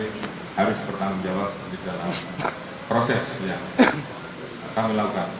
jadi harus bertanggung jawab di dalam proses yang kita melakukan